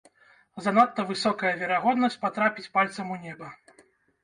Занадта высокая верагоднасць патрапіць пальцам у неба.